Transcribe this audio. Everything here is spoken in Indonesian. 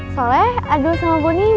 soalnya aduh sama bonny nih ya